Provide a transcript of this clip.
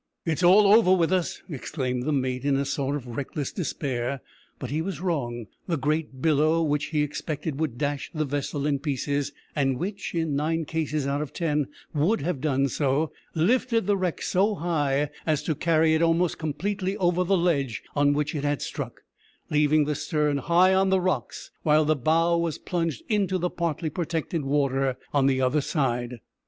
"It's all over with us," exclaimed the mate, in a sort of reckless despair. But he was wrong. The great billow, which he expected would dash the vessel in pieces and which, in nine cases out of ten, would have done so lifted the wreck so high as to carry it almost completely over the ledge, on which it had struck, leaving the stern high on the rocks, while the bow was plunged into the partly protected water on the other side.